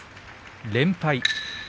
連敗。